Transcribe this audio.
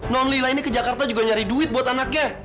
nonila ini ke jakarta juga nyari duit buat anaknya